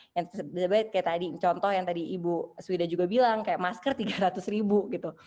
yang sebenarnya kayak tadi contoh yang tadi ibu swida juga bilang kayak masker tiga ratus ribu gitu